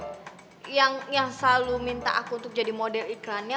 tante marissa itu anak yang selalu minta aku untuk jadi model iklannya